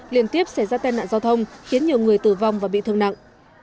liên tiếp xảy ra tai nạn giao thông khiến nhiều người tử vong và bị thương nặng